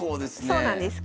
そうなんです。